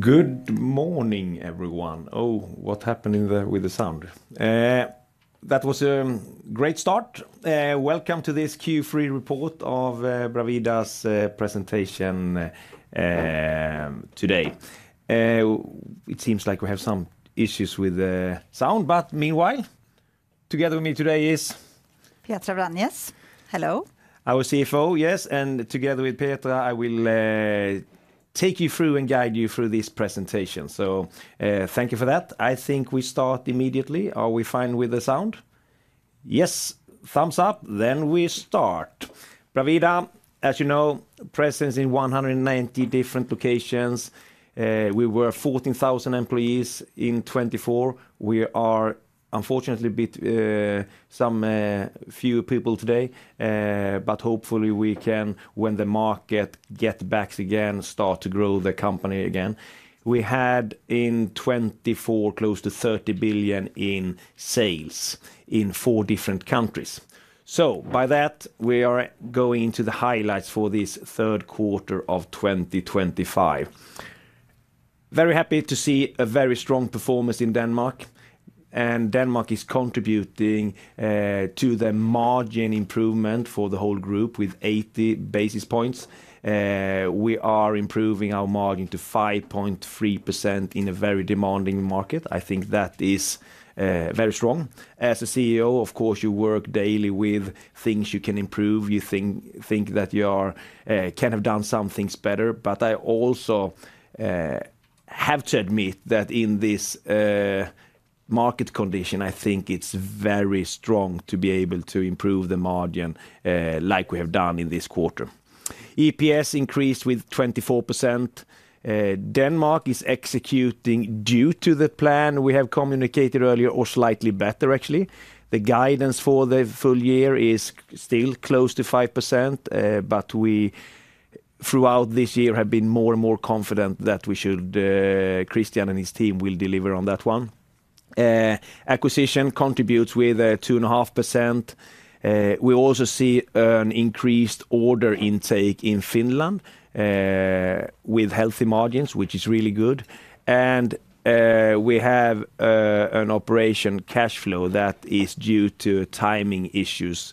Good morning, everyone. What happened with the sound? That was a great start. Welcome to this Q3 report of Bravida's presentation today. It seems like we have some issues with the sound. Meanwhile, together with me today is... Petra Vranjes. Hello. Our CFO, yes. Together with Petra, I will take you through and guide you through this presentation. Thank you for that. I think we start immediately. Are we fine with the sound? Yes. Thumbs up. We start. Bravida, as you know, presence in 190 different locations. We were 14,000 employees in 2024. We are unfortunately a bit fewer people today. Hopefully, when the market gets back again, we'll start to grow the company again. We had in 2024 close to 30 billion in sales in four different countries. By that, we are going into the highlights for this third quarter of 2025. Very happy to see a very strong performance in Denmark. Denmark is contributing to the margin improvement for the whole group with 80 basis points. We are improving our margin to 5.3% in a very demanding market. I think that is very strong. As a CEO, of course, you work daily with things you can improve. You think that you can have done some things better. I also have to admit that in this market condition, I think it's very strong to be able to improve the margin like we have done in this quarter. EPS increased with 24%. Denmark is executing due to the plan we have communicated earlier, or slightly better, actually. The guidance for the full year is still close to 5%. Throughout this year we have been more and more confident that we should, Christian and his team will deliver on that one. Acquisition contributes with 2.5%. We also see an increased order intake in Finland with healthy margins, which is really good. We have an operation cash flow that is due to timing issues,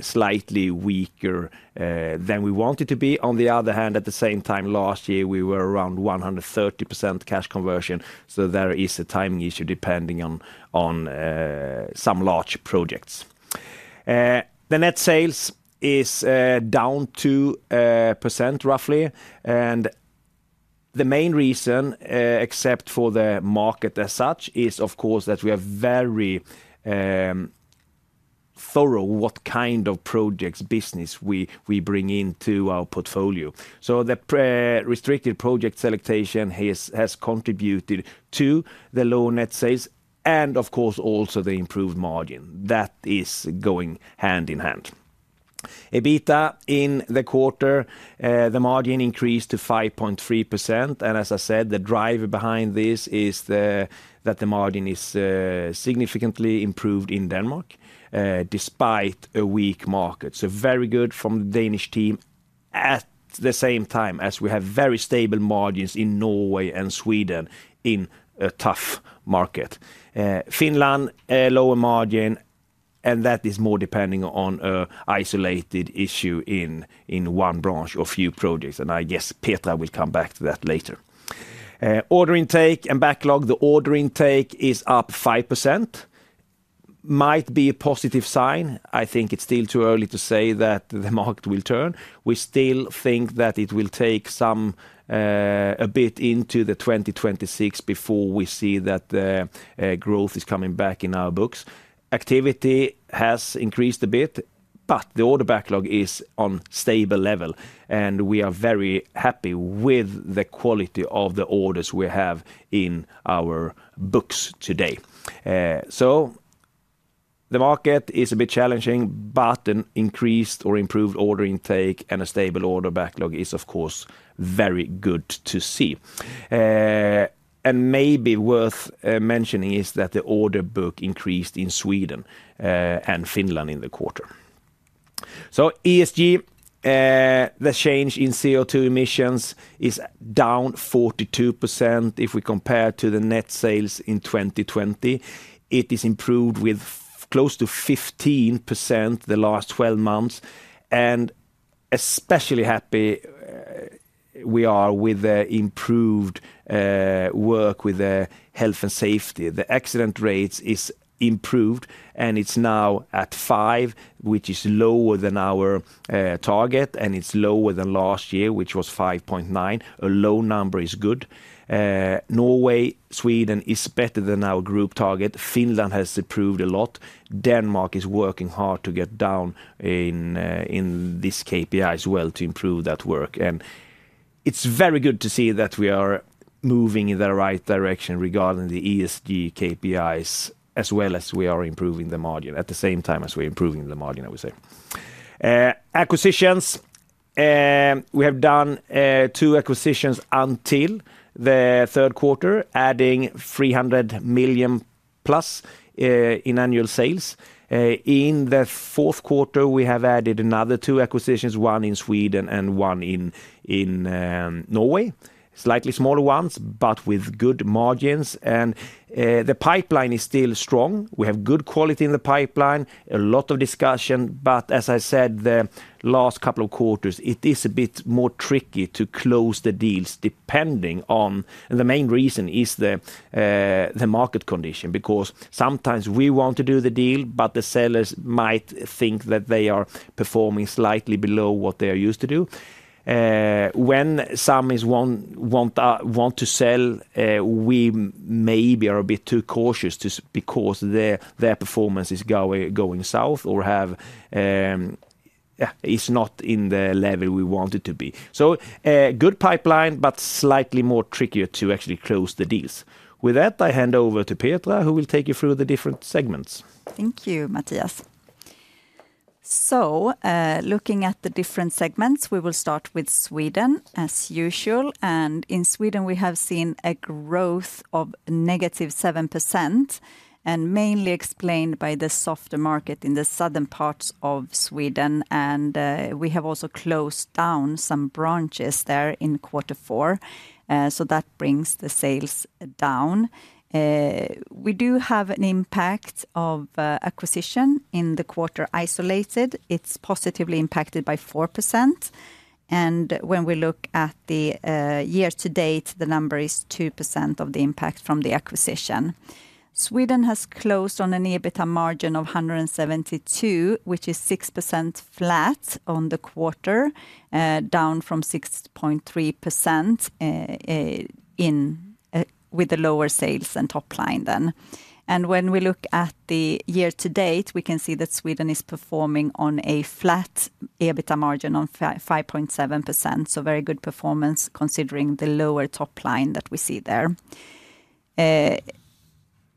slightly weaker than we wanted to be. On the other hand, at the same time last year, we were around 130% cash conversion. There is a timing issue depending on some large projects. The net sales is down 2% roughly. The main reason, except for the market as such, is of course that we are very thorough in what kind of projects and business we bring into our portfolio. The restricted project selection has contributed to the low net sales and of course also the improved margin. That is going hand in hand. EBITDA in the quarter, the margin increased to 5.3%. As I said, the driver behind this is that the margin is significantly improved in Denmark, despite a weak market. Very good from the Danish team. At the same time, we have very stable margins in Norway and Sweden in a tough market. Finland, a lower margin. That is more depending on an isolated issue in one branch or few projects. I guess Petra will come back to that later. Order intake and backlog. The order intake is up 5%. Might be a positive sign. I think it's still too early to say that the market will turn. We still think that it will take a bit into 2026 before we see that the growth is coming back in our books. Activity has increased a bit, but the order backlog is on a stable level. We are very happy with the quality of the orders we have in our books today. The market is a bit challenging, but an increased or improved order intake and a stable order backlog is of course very good to see. Maybe worth mentioning is that the order book increased in Sweden and Finland in the quarter. ESG, the change in CO2 emissions is down 42% if we compare to the net sales in 2020. It is improved with close to 15% the last 12 months. Especially happy we are with the improved work with health and safety. The accident rate is improved, and it's now at 5, which is lower than our target. It's lower than last year, which was 5.9. A low number is good. Norway, Sweden is better than our group target. Finland has improved a lot. Denmark is working hard to get down in this KPI as well to improve that work. It is very good to see that we are moving in the right direction regarding the ESG KPIs as well as we are improving the margin at the same time as we're improving the margin, I would say. Acquisitions. We have done two acquisitions until the third quarter, adding 300 million plus in annual sales. In the fourth quarter, we have added another two acquisitions, one in Sweden and one in Norway. Slightly smaller ones, but with good margins. The pipeline is still strong. We have good quality in the pipeline. A lot of discussion, but as I said the last couple of quarters, it is a bit more tricky to close the deals depending on, and the main reason is the market condition. Sometimes we want to do the deal, but the sellers might think that they are performing slightly below what they are used to do. When some want to sell, we maybe are a bit too cautious because their performance is going south or is not in the level we want it to be. Good pipeline, but slightly more trickier to actually close the deals. With that, I hand over to Petra, who will take you through the different segments. Thank you, Mattias. Looking at the different segments, we will start with Sweden as usual. In Sweden, we have seen a growth of negative 7%, mainly explained by the softer market in the southern parts of Sweden. We have also closed down some branches there in quarter four, which brings the sales down. We do have an impact of acquisition in the quarter isolated. It's positively impacted by 4%. When we look at the year to date, the number is 2% of the impact from the acquisition. Sweden has closed on an EBITDA margin of 172 million, which is 6% flat on the quarter, down from 6.3% with the lower sales and top line then. When we look at the year to date, we can see that Sweden is performing on a flat EBITDA margin of 5.7%. Very good performance considering the lower top line that we see there.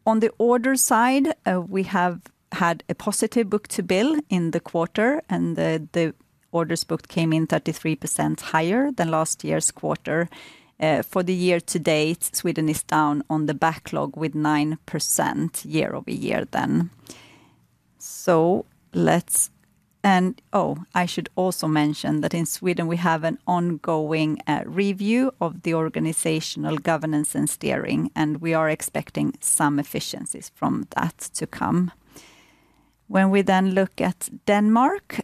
On the order side, we have had a positive book-to-bill in the quarter, and the orders booked came in 33% higher than last year's quarter. For the year to date, Sweden is down on the backlog with 9% year over year. I should also mention that in Sweden, we have an ongoing review of the organizational governance and steering, and we are expecting some efficiencies from that to come. When we then look at Denmark,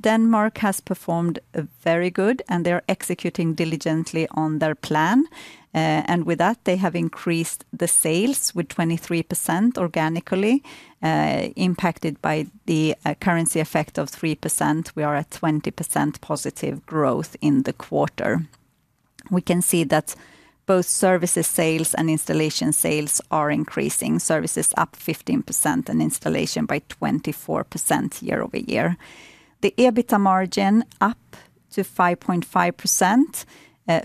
Denmark has performed very good. They are executing diligently on their plan, and with that, they have increased the sales with 23% organically. Impacted by the currency effect of 3%, we are at 20% positive growth in the quarter. We can see that both services sales and installation sales are increasing, services up 15% and installation by 24% year over year. The EBITDA margin up to 5.5%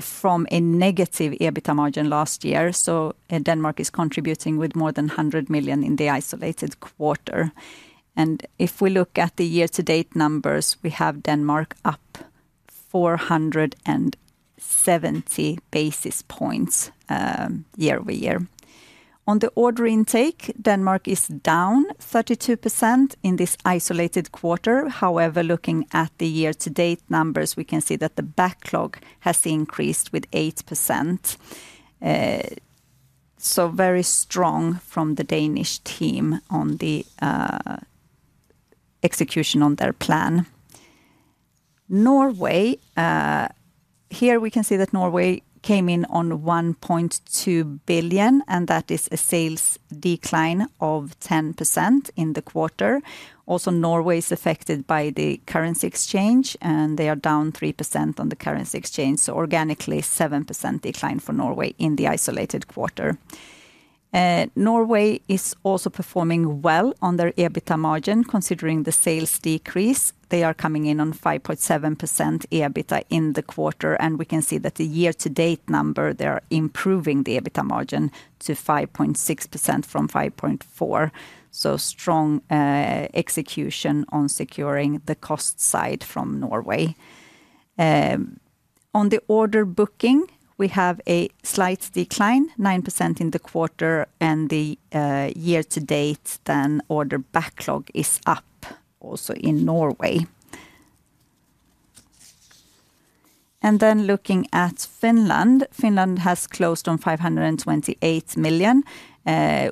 from a negative EBITDA margin last year. Denmark is contributing with more than 100 million in the isolated quarter. If we look at the year-to-date numbers, we have Denmark up 470 basis points year over year. On the order intake, Denmark is down 32% in this isolated quarter. However, looking at the year-to-date numbers, we can see that the backlog has increased with 8%. Very strong from the Danish team on the execution on their plan. Norway, here we can see that Norway came in on 1.2 billion, and that is a sales decline of 10% in the quarter. Also, Norway is affected by the currency exchange, and they are down 3% on the currency exchange. Organically, a 7% decline for Norway in the isolated quarter. Norway is also performing well on their EBITDA margin considering the sales decrease. They are coming in on 5.7% EBITDA in the quarter. We can see that the year-to-date number, they are improving the EBITDA margin to 5.6% from 5.4%. Strong execution on securing the cost side from Norway. On the order booking, we have a slight decline, 9% in the quarter. The year-to-date then order backlog is up also in Norway. Looking at Finland, Finland has closed on 528 million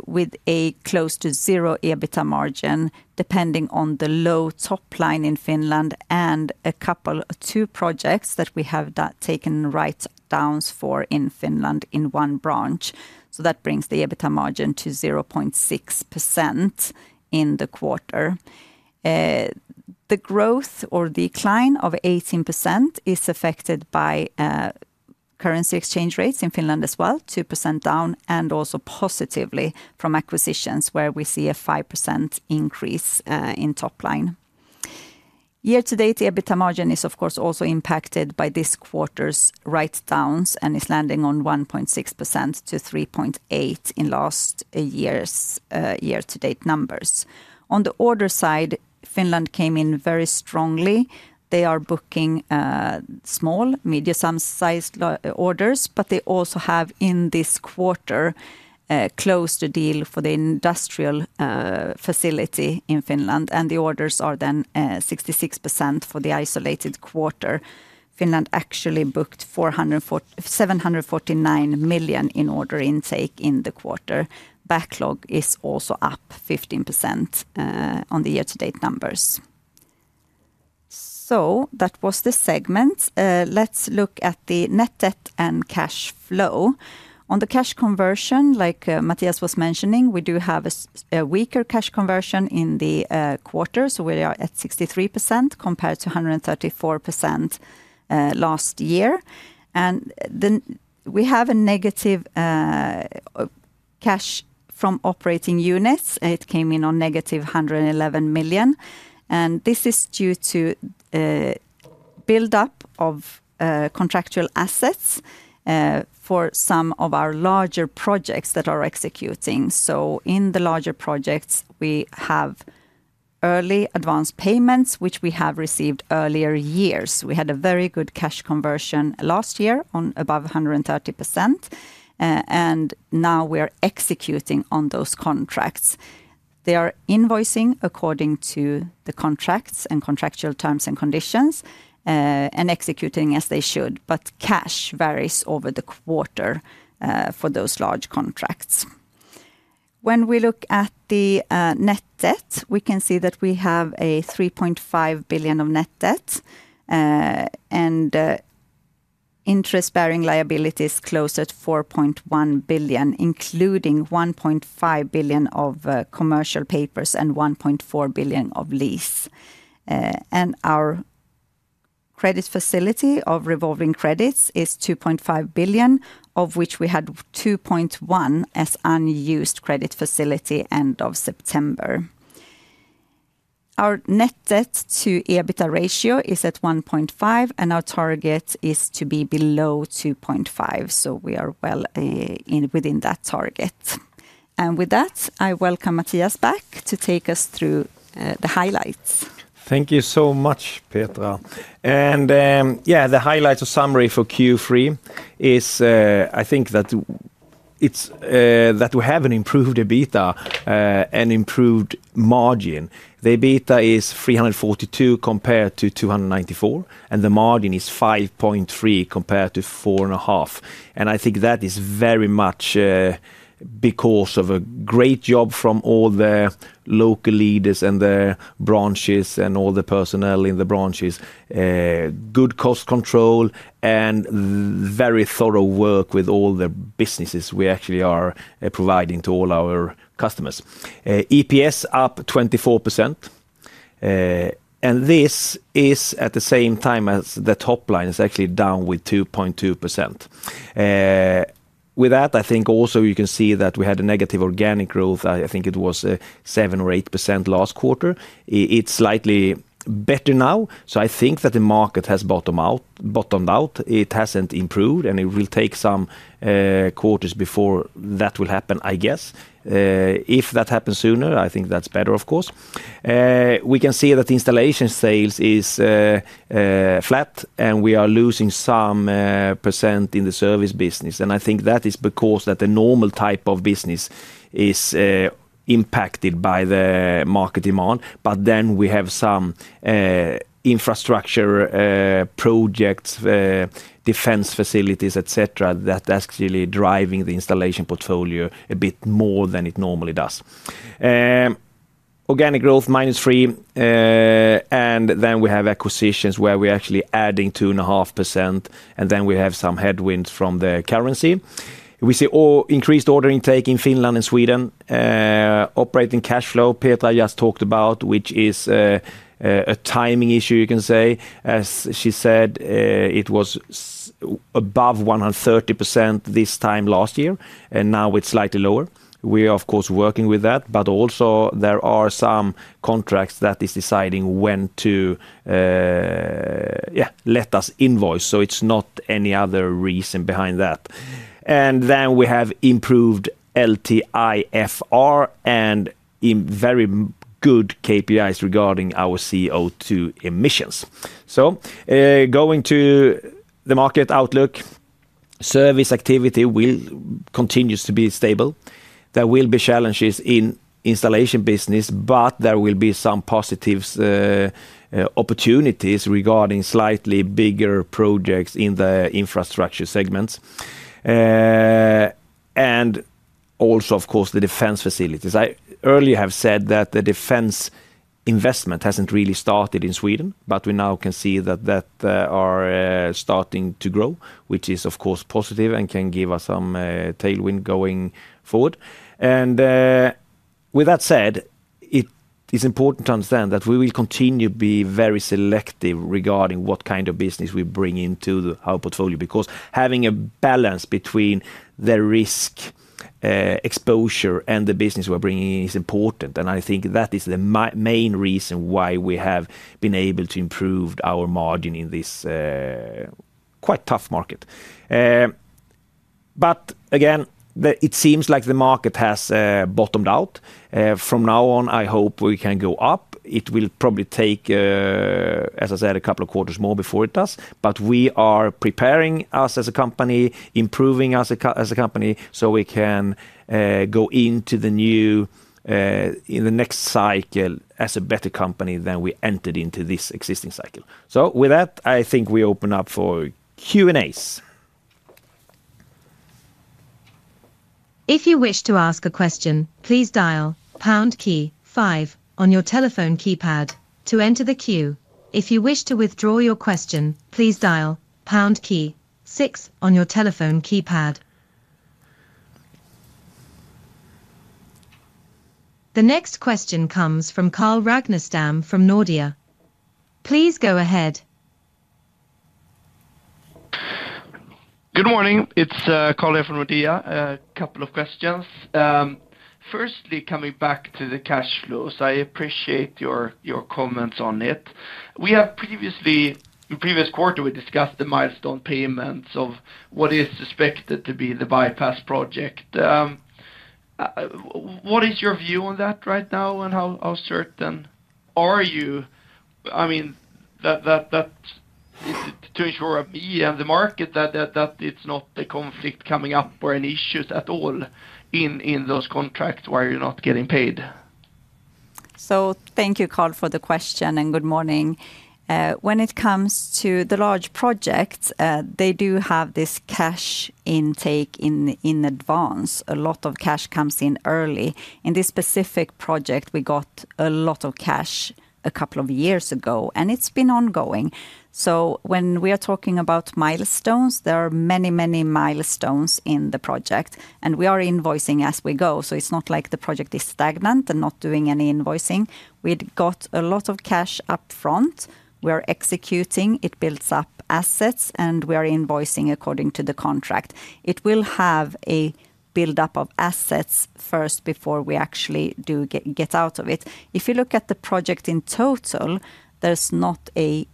with a close to zero EBITDA margin depending on the low top line in Finland and a couple of two projects that we have taken write-downs for in Finland in one branch. That brings the EBITDA margin to 0.6% in the quarter. The growth or decline of 18% is affected by currency exchange rates in Finland as well, 2% down and also positively from acquisitions where we see a 5% increase in top line. Year-to-date EBITDA margin is of course also impacted by this quarter's write-downs and is landing on 1.6% compared to 3.8% in last year's year-to-date numbers. On the order side, Finland came in very strongly. They are booking small, medium-sized orders. They also have in this quarter closed a deal for the industrial facility in Finland. The orders are then 66% for the isolated quarter. Finland actually booked 749 million in order intake in the quarter. Backlog is also up 15% on the year-to-date numbers. That was the segment. Let's look at the net debt and cash flow. On the cash conversion, like Mattias was mentioning, we do have a weaker cash conversion in the quarter. We are at 63% compared to 134% last year. We have a negative cash from operating units. It came in on negative 111 million. This is due to buildup of contractual assets for some of our larger projects that are executing. In the larger projects, we have early advance payments, which we have received earlier years. We had a very good cash conversion last year above 130%. Now we are executing on those contracts. They are invoicing according to the contracts and contractual terms and conditions and executing as they should. Cash varies over the quarter for those large contracts. When we look at the net debt, we can see that we have 3.5 billion of net debt. Interest-bearing liabilities close at 4.1 billion, including 1.5 billion of commercial papers and 1.4 billion of lease. Our credit facility of revolving credits is 2.5 billion, of which we had 2.1 billion as unused credit facility end of September. Our net debt to EBITDA ratio is at 1.5x. Our target is to be below 2.5x. We are well within that target. With that, I welcome Mattias back to take us through the highlights. Thank you so much, Petra. The highlights or summary for Q3 is I think that we have an improved EBITDA and improved margin. The EBITDA is 342 compared to 294, and the margin is 5.3% compared to 4.5%. I think that is very much because of a great job from all the local leaders and the branches and all the personnel in the branches. Good cost control and very thorough work with all the businesses we actually are providing to all our customers. EPS up 24%. This is at the same time as the top line is actually down 2.2%. With that, I think also you can see that we had a negative organic growth. I think it was 7% or 8% last quarter. It's slightly better now. I think that the market has bottomed out. It hasn't improved. It will take some quarters before that will happen, I guess. If that happens sooner, I think that's better, of course. We can see that installation sales is flat, and we are losing some percent in the service business. I think that is because the normal type of business is impacted by the market demand. There are some infrastructure projects, defense facilities, et cetera, that's actually driving the installation portfolio a bit more than it normally does. Organic growth minus 3%. We have acquisitions where we're actually adding 2.5%, and then we have some headwinds from the currency. We see increased order intake in Finland and Sweden. Operating cash flow, Petra just talked about, which is a timing issue, you can say. As she said, it was above 130% this time last year, and now it's slightly lower. We are, of course, working with that. There are some contracts that are deciding when to let us invoice, so it's not any other reason behind that. We have improved LTIFR and very good KPIs regarding our CO2 emissions. Going to the market outlook, service activity continues to be stable. There will be challenges in the installation business. There will be some positive opportunities regarding slightly bigger projects in the infrastructure segments and also, of course, the defense facilities. I earlier have said that the defense investment hasn't really started in Sweden, but we now can see that that are starting to grow, which is, of course, positive and can give us some tailwind going forward. With that said, it is important to understand that we will continue to be very selective regarding what kind of business we bring into our portfolio. Having a balance between the risk exposure and the business we're bringing in is important. I think that is the main reason why we have been able to improve our margin in this quite tough market. It seems like the market has bottomed out. From now on, I hope we can go up. It will probably take, as I said, a couple of quarters more before it does. We are preparing us as a company, improving us as a company so we can go into the next cycle as a better company than we entered into this existing cycle. With that, I think we open up for Q&As. If you wish to ask a question, please dial pound key five on your telephone keypad to enter the queue. If you wish to withdraw your question, please dial pound key six on your telephone keypad. The next question comes from Carl Ragnerstam from Nordea. Please go ahead. Good morning. It's Carl here from Nordea. A couple of questions. Firstly, coming back to the cash flows, I appreciate your comments on it. We have previously, in the previous quarter, discussed the milestone payments of what is suspected to be the bypass project. What is your view on that right now? How certain are you? I mean, is it to ensure me and the market that it's not a conflict coming up or an issue at all in those contracts where you're not getting paid? Thank you, Carl, for the question. Good morning. When it comes to the large projects, they do have this cash intake in advance. A lot of cash comes in early. In this specific project, we got a lot of cash a couple of years ago, and it's been ongoing. When we are talking about milestones, there are many, many milestones in the project, and we are invoicing as we go. It's not like the project is stagnant and not doing any invoicing. We've got a lot of cash up front. We are executing. It builds up assets, and we are invoicing according to the contract. It will have a buildup of assets first before we actually do get out of it. If you look at the project in total, there's not an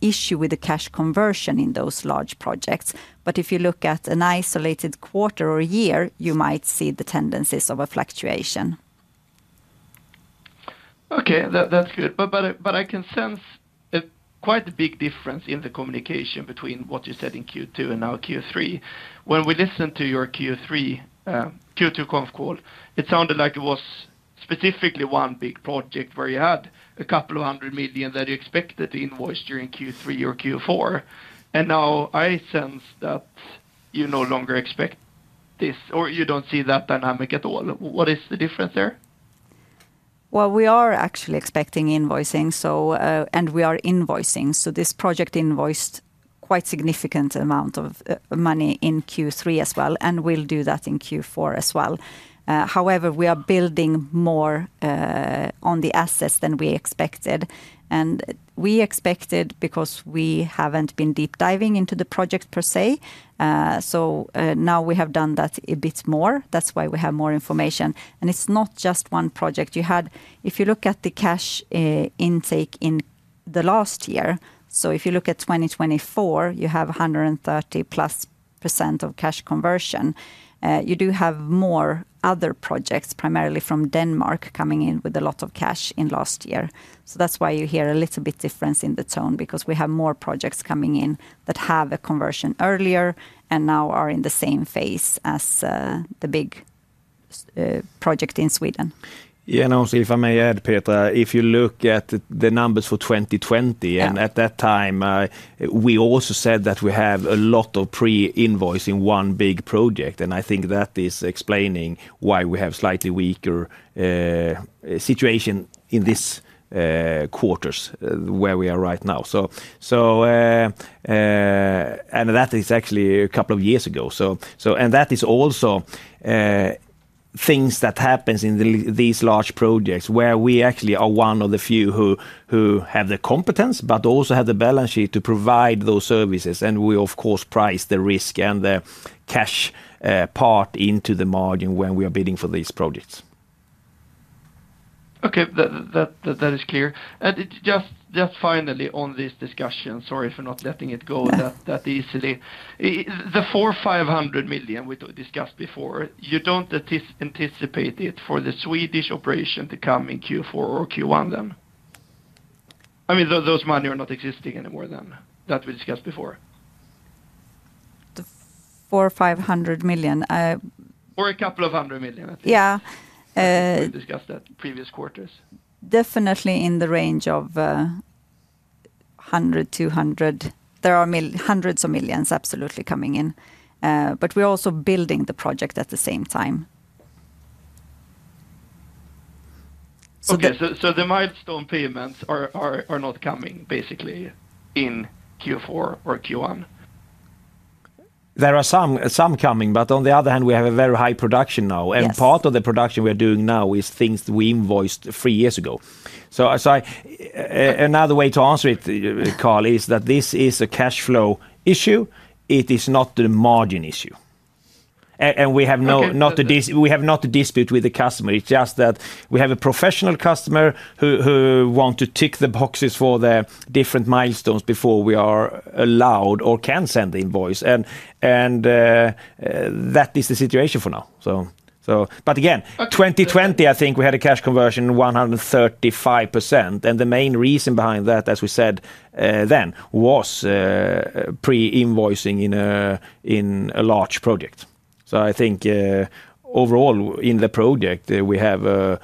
issue with the cash conversion in those large projects. If you look at an isolated quarter or year, you might see the tendencies of a fluctuation. OK, that's good. I can sense quite a big difference in the communication between what you said in Q2 and now Q3. When we listened to your Q2 conf call, it sounded like it was specifically one big project where you had a couple of hundred million SEK that you expected to invoice during Q3 or Q4. Now I sense that you no longer expect this, or you don't see that dynamic at all. What is the difference there? We are actually expecting invoicing, and we are invoicing. This project invoiced quite a significant amount of money in Q3 as well, and we'll do that in Q4 as well. However, we are building more on the assets than we expected, and we expected because we haven't been deep diving into the project per se. Now we have done that a bit more, that's why we have more information. It's not just one project. If you look at the cash intake in the last year, if you look at 2024, you have 130%+ of cash conversion. You do have more other projects, primarily from Denmark, coming in with a lot of cash in last year. That's why you hear a little bit difference in the tone, because we have more projects coming in that have a conversion earlier and now are in the same phase as the big project in Sweden. Yeah, and also, if I may add, Petra, if you look at the numbers for 2020, at that time, we also said that we have a lot of pre-invoice in one big project. I think that is explaining why we have a slightly weaker situation in these quarters where we are right now. That is actually a couple of years ago. That is also things that happen in these large projects where we actually are one of the few who have the competence, but also have the balance sheet to provide those services. We, of course, price the risk and the cash part into the margin when we are bidding for these projects. OK, that is clear. Just finally, on this discussion, sorry for not letting it go that easily, the 400 million-500 million we discussed before, you don't anticipate it for the Swedish operation to come in Q4 or Q1 then? I mean, those money are not existing anymore then, that we discussed before. The 400 million-500 million? A couple of hundred million, I think. Yeah. We discussed that in previous quarters. Definitely in the range of 100 million-200 million. There are hundreds of millions absolutely coming in. We are also building the project at the same time. OK, so the milestone payments are not coming basically in Q4 or Q1? There are some coming. On the other hand, we have a very high production now, and part of the production we are doing now is things we invoiced three years ago. Another way to answer it, Carl, is that this is a cash flow issue. It is not a margin issue. We have not a dispute with the customer. It's just that we have a professional customer who wants to tick the boxes for the different milestones before we are allowed or can send the invoice. That is the situation for now. In 2020, I think we had a cash conversion of 135%. The main reason behind that, as we said then, was pre-invoicing in a large project. I think overall in the project, we have a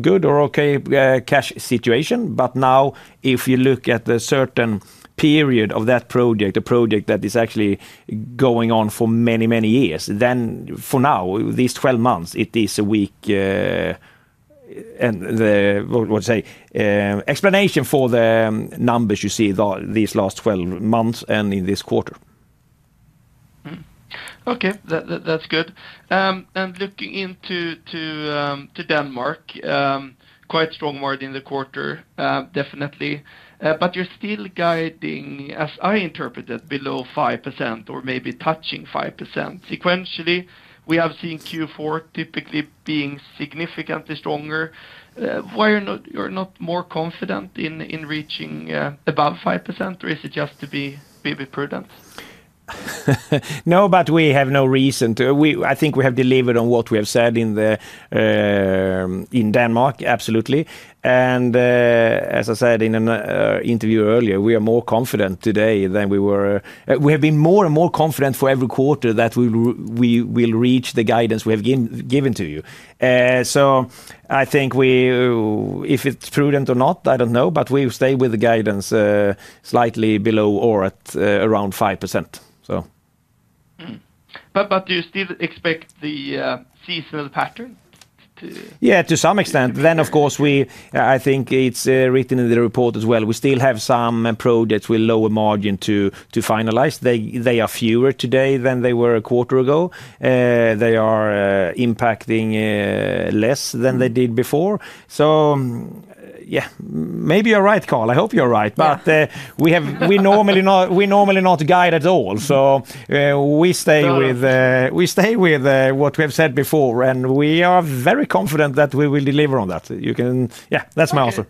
good or OK cash situation. Now, if you look at the certain period of that project, a project that is actually going on for many, many years, then for now, these 12 months, it is a weak explanation for the numbers you see these last 12 months and in this quarter. OK, that's good. Looking into Denmark, quite strong word in the quarter, definitely. You're still guiding, as I interpret it, below 5% or maybe touching 5%. Sequentially, we have seen Q4 typically being significantly stronger. Why are you not more confident in reaching above 5%? Is it just to be maybe prudent? No, we have no reason. I think we have delivered on what we have said in Denmark, absolutely. As I said in an interview earlier, we are more confident today than we were. We have been more and more confident for every quarter that we will reach the guidance we have given to you. I think if it's prudent or not, I don't know. We will stay with the guidance slightly below or at around 5%. Do you still expect the seasonal pattern? Yeah, to some extent. Of course, I think it's written in the report as well. We still have some projects with lower margin to finalize. They are fewer today than they were a quarter ago, and they are impacting less than they did before. Yeah, maybe you're right, Carl. I hope you're right. We normally do not guide at all, so we stay with what we have said before, and we are very confident that we will deliver on that. Yeah, that's my answer.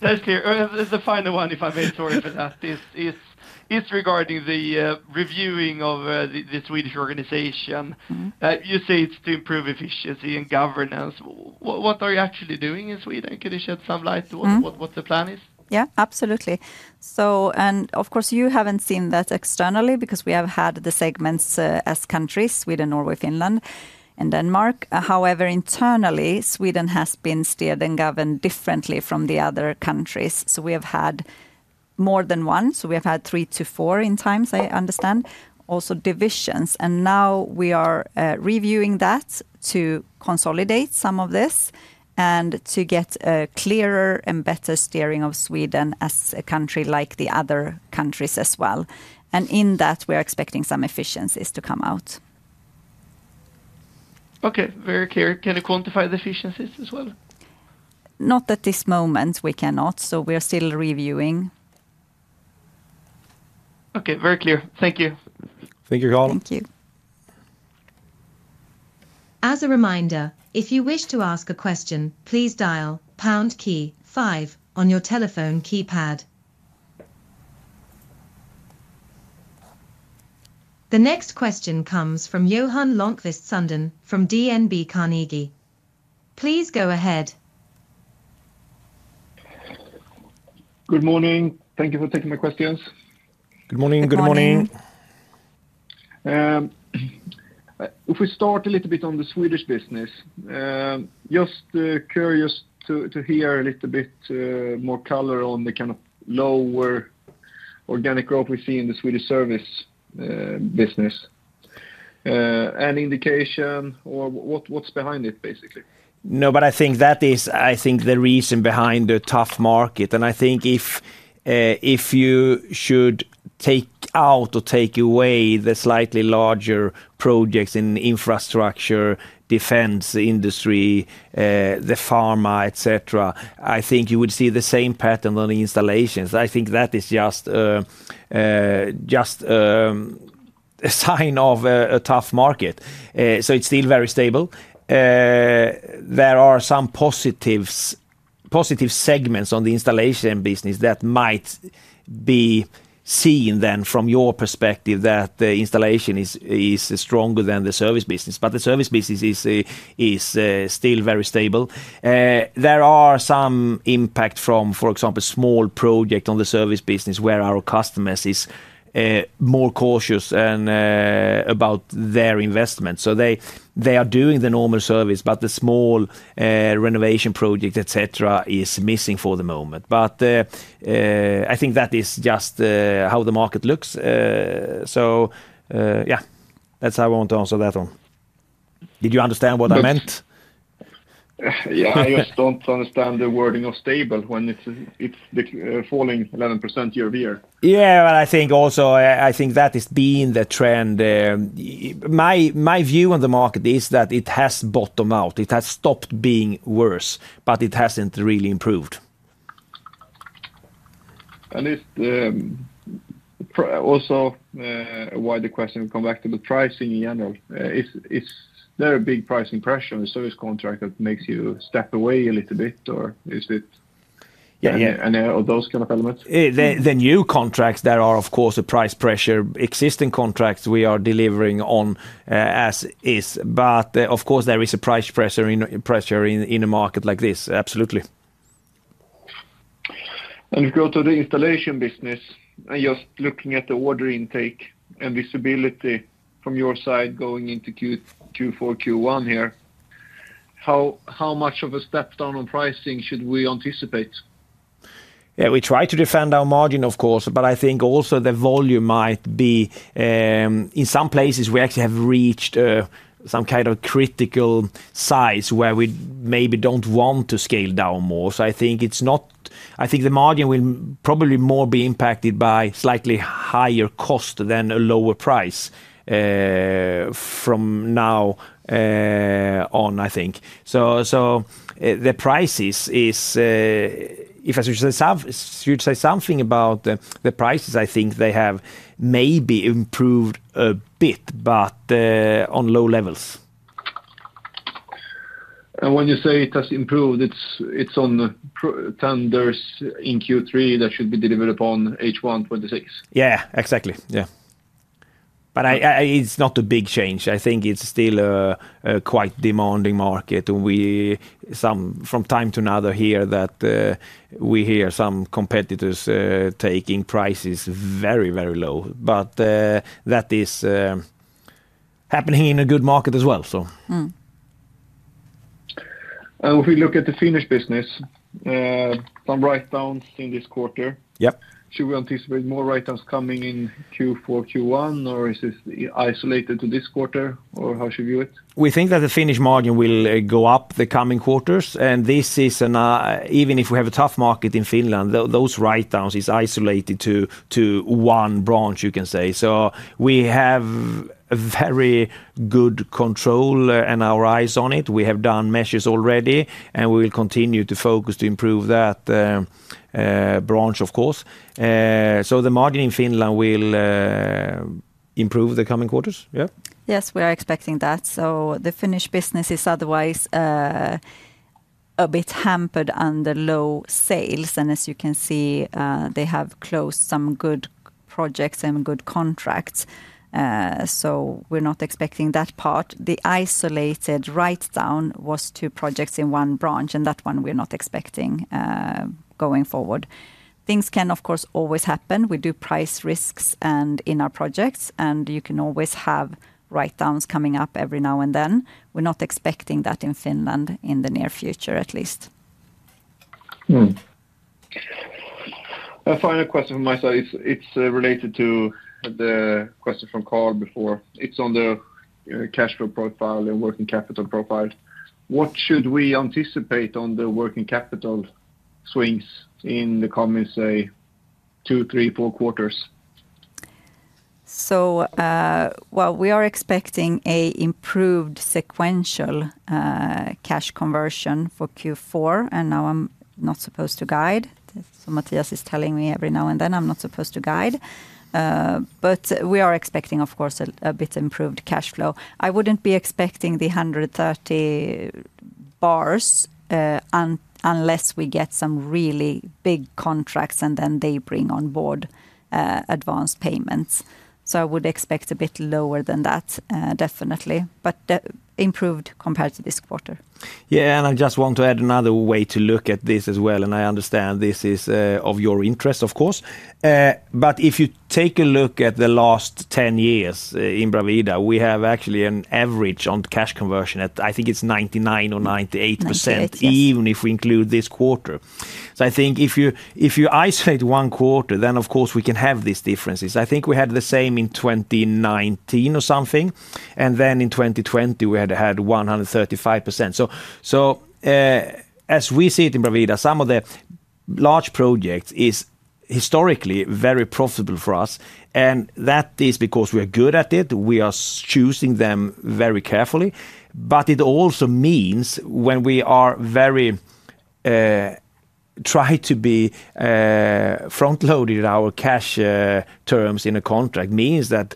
Thank you. The final one, if I may, sorry if I ask, is regarding the reviewing of the Swedish organization. You say it's to improve efficiency and governance. What are you actually doing in Sweden? Can you shed some light to what the plan is? Yeah, absolutely. You haven't seen that externally because we have had the segments as countries: Sweden, Norway, Finland, and Denmark. However, internally, Sweden has been steered and governed differently from the other countries. We have had more than one. We have had three to four in times, I understand, also divisions. Now we are reviewing that to consolidate some of this and to get a clearer and better steering of Sweden as a country like the other countries as well. In that, we are expecting some efficiencies to come out. OK, very clear. Can you quantify the efficiencies as well? Not at this moment, we cannot. We are still reviewing. OK, very clear. Thank you. Thank you, Carl. Thank you. As a reminder, if you wish to ask a question, please dial pound key five on your telephone keypad. The next question comes from Johan Lönnqvist Sundén from DNB Carnegie. Please go ahead. Good morning. Thank you for taking my questions. Good morning. Good morning. If we start a little bit on the Swedish business, just curious to hear a little bit more color on the kind of lower organic growth we see in the Swedish service business. Any indication or what's behind it, basically? I think that is the reason behind the tough market. If you take out or take away the slightly larger projects in the infrastructure, defense industry, the pharma, et cetera, you would see the same pattern on the installations. I think that is just a sign of a tough market. It's still very stable. There are some positive segments on the installation business that might be seen from your perspective, that the installation is stronger than the service business. The service business is still very stable. There are some impacts from, for example, small projects on the service business where our customers are more cautious about their investment. They are doing the normal service, but the small renovation project, et cetera, is missing for the moment. I think that is just how the market looks. That's how I want to answer that one. Did you understand what I meant? Yeah, I just don't understand the wording of stable when it's falling 11% year over year. I think that has been the trend. My view on the market is that it has bottomed out. It has stopped being worse, but it hasn't really improved. Why does the question come back to the pricing in general? Is there a big pricing pressure on the service contract that makes you step away a little bit, or is it any of those kind of elements? The new contracts, there is, of course, a price pressure. Existing contracts we are delivering on as is. Of course, there is a price pressure in a market like this, absolutely. If you go to the installation business and just looking at the order intake and visibility from your side going into Q4, Q1 here, how much of a step down on pricing should we anticipate? Yeah, we try to defend our margin, of course. I think also the volume might be in some places, we actually have reached some kind of critical size where we maybe don't want to scale down more. I think the margin will probably more be impacted by slightly higher cost than a lower price from now on, I think. The prices, if I should say something about the prices, I think they have maybe improved a bit, but on low levels. When you say it has improved, it's on the tenders in Q3 that should be delivered upon H1 2026. Yeah, exactly. It's not a big change. I think it's still a quite demanding market. We, from time to another, hear that we hear some competitors taking prices very, very low. That is happening in a good market as well. If we look at the Finnish business, some write-downs in this quarter. Yep. Should we anticipate more write-downs coming in Q4, Q1, or is this isolated to this quarter? How should we view it? We think that the Finnish margin will go up the coming quarters. Even if we have a tough market in Finland, those write-downs are isolated to one branch, you can say. We have very good control and our eyes on it. We have done measures already, and we will continue to focus to improve that branch, of course. The margin in Finland will improve the coming quarters. Yeah? Yes, we are expecting that. The Finnish business is otherwise a bit hampered under low sales, and as you can see, they have closed some good projects and good contracts. We're not expecting that part. The isolated write-down was two projects in one branch, and that one we're not expecting going forward. Things can, of course, always happen. We do price risks in our projects, and you can always have write-downs coming up every now and then. We're not expecting that in Finland in the near future, at least. A final question from my side. It's related to the question from Carl before. It's on the cash flow profile and working capital profile. What should we anticipate on the working capital swings in the coming, say, two, three, four quarters? We are expecting an improved sequential cash conversion for Q4. I'm not supposed to guide. Mattias is telling me every now and then I'm not supposed to guide. We are expecting, of course, a bit improved cash flow. I wouldn't be expecting the 130 million unless we get some really big contracts and they bring on board advance payments. I would expect a bit lower than that, definitely, but improved compared to this quarter. Yeah, I just want to add another way to look at this as well. I understand this is of your interest, of course. If you take a look at the last 10 years in Bravida, we have actually an average on cash conversion at, I think it's 99% or 98%, even if we include this quarter. I think if you isolate one quarter, then, of course, we can have these differences. I think we had the same in 2019 or something. In 2020, we had 135%. As we see it in Bravida, some of the large projects are historically very profitable for us. That is because we are good at it. We are choosing them very carefully. It also means when we try to be front-loaded in our cash terms in a contract, it means that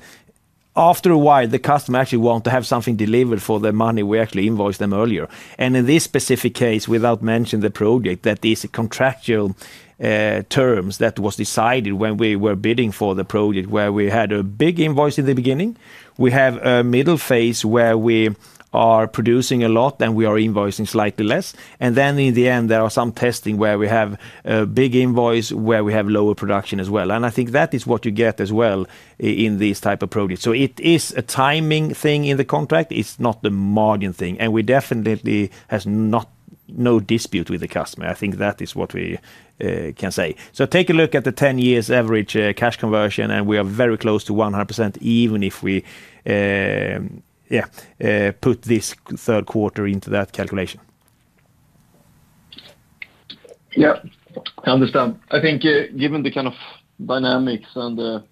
after a while, the customer actually wants to have something delivered for the money we actually invoiced them earlier. In this specific case, without mentioning the project, that is contractual terms that were decided when we were bidding for the project where we had a big invoice in the beginning. We have a middle phase where we are producing a lot, and we are invoicing slightly less. In the end, there are some testing where we have a big invoice where we have lower production as well. I think that is what you get as well in these types of projects. It is a timing thing in the contract. It's not the margin thing. We definitely have no dispute with the customer. I think that is what we can say. Take a look at the 10-year average cash conversion. We are very close to 100%, even if we, yeah, put this third quarter into that calculation. Yeah, I understand. I think given the kind of dynamics and that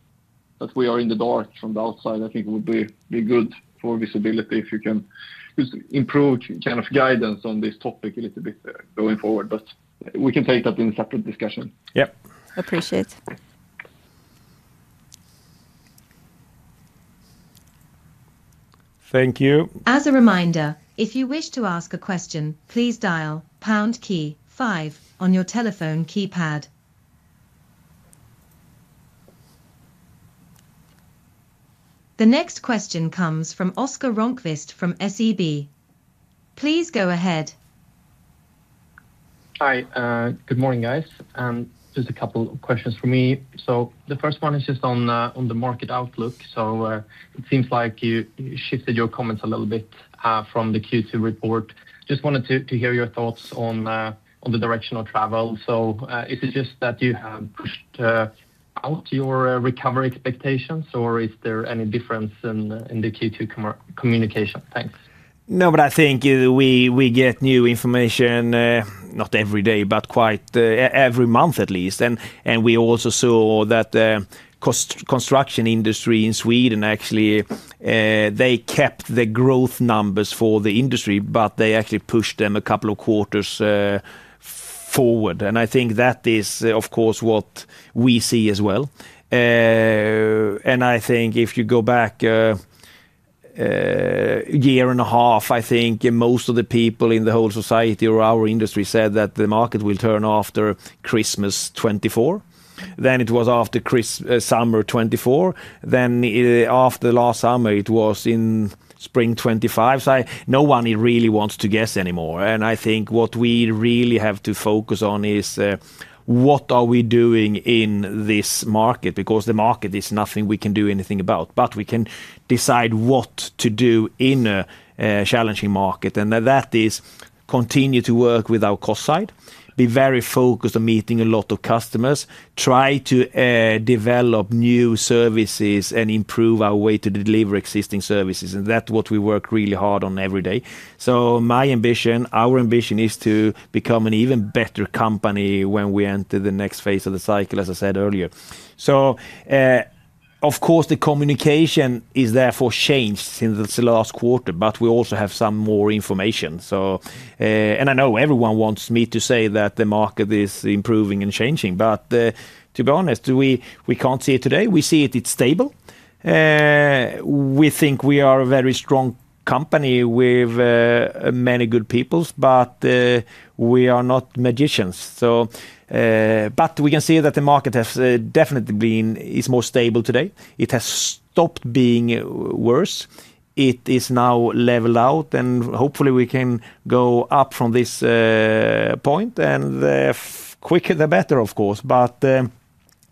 we are in the dark from the outside, I think it would be good for visibility if you can improve guidance on this topic a little bit going forward. We can take that in a separate discussion. Yeah. Appreciate. Thank you. As a reminder, if you wish to ask a question, please dial pound key five on your telephone keypad. The next question comes from Oscar Rönnkvist from SEB. Please go ahead. Hi. Good morning, guys. Just a couple of questions for me. The first one is just on the market outlook. It seems like you shifted your comments a little bit from the Q2 report. I just wanted to hear your thoughts on the direction of travel. Is it just that you have pushed out your recovery expectations? Is there any difference in the Q2 communication? Thanks. No, but I think we get new information not every day, but quite every month at least. We also saw that the construction industry in Sweden actually kept the growth numbers for the industry, but they actually pushed them a couple of quarters forward. I think that is, of course, what we see as well. If you go back a year and a half, I think most of the people in the whole society or our industry said that the market will turn after Christmas 2024. It was after summer 2024. After last summer, it was in spring 2025. No one really wants to guess anymore. I think what we really have to focus on is what are we doing in this market, because the market is nothing we can do anything about. We can decide what to do in a challenging market. That is, continue to work with our cost side, be very focused on meeting a lot of customers, try to develop new services, and improve our way to deliver existing services. That's what we work really hard on every day. My ambition, our ambition, is to become an even better company when we enter the next phase of the cycle, as I said earlier. Of course, the communication is therefore changed since the last quarter. We also have some more information. I know everyone wants me to say that the market is improving and changing, but to be honest, we can't see it today. We see it's stable. We think we are a very strong company with many good people, but we are not magicians. We can see that the market has definitely been more stable today. It has stopped being worse. It is now leveled out. Hopefully, we can go up from this point. The quicker, the better, of course.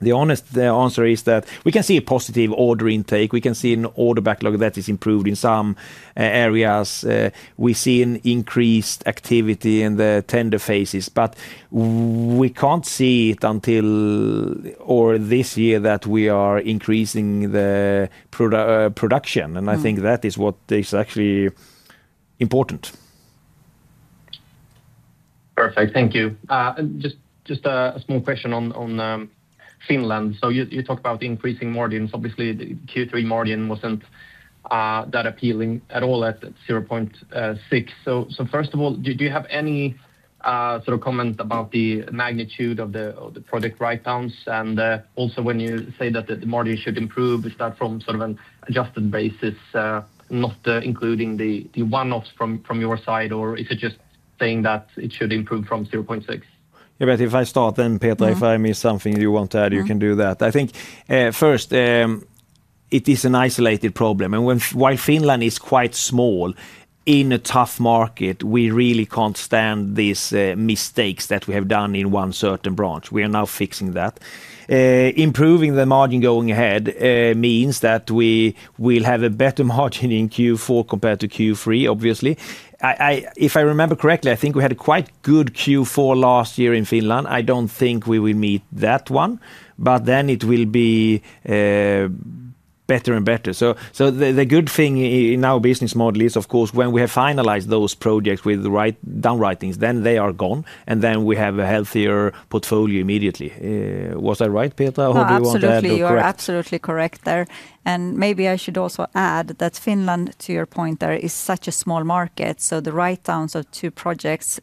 The honest answer is that we can see a positive order intake. We can see an order backlog that is improved in some areas. We've seen increased activity in the tender phases, but we can't see it until this year that we are increasing the production. I think that is what is actually important. Perfect. Thank you. Just a small question on Finland. You talked about increasing margins. Obviously, the Q3 margin wasn't that appealing at 0.6%. First of all, do you have any sort of comment about the magnitude of the project write-downs? Also, when you say that the margin should improve, is that from an adjusted basis, not including the one-offs from your side? Or is it just saying that it should improve from 0.6%? Yeah, but if I start then, Petra, if I miss something you want to add, you can do that. I think first, it is an isolated problem. While Finland is quite small in a tough market, we really can't stand these mistakes that we have done in one certain branch. We are now fixing that. Improving the margin going ahead means that we will have a better margin in Q4 compared to Q3, obviously. If I remember correctly, I think we had a quite good Q4 last year in Finland. I don't think we will meet that one, but it will be better and better. The good thing in our business model is, of course, when we have finalized those projects with the write-down writings, then they are gone, and then we have a healthier portfolio immediately. Was I right, Petra? Absolutely. You're absolutely correct there. Maybe I should also add that Finland, to your point, is such a small market. The write-downs of two projects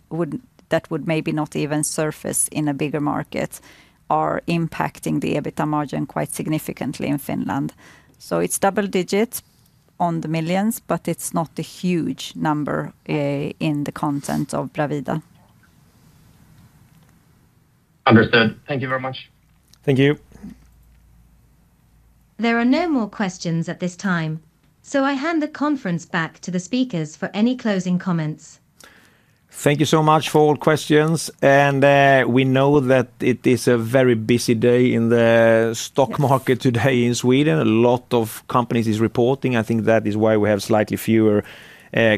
that would maybe not even surface in a bigger market are impacting the EBITDA margin quite significantly in Finland. It's double digits on the millions, but it's not a huge number in the context of Bravida. Understood. Thank you very much. Thank you. There are no more questions at this time. I hand the conference back to the speakers for any closing comments. Thank you so much for all questions. We know that it is a very busy day in the stock market today in Sweden. A lot of companies are reporting, which I think is why we have slightly fewer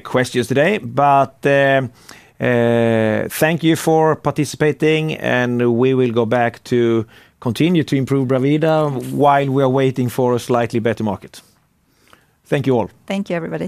questions today. Thank you for participating. We will go back to continue to improve Bravida while we are waiting for a slightly better market. Thank you all. Thank you, everybody.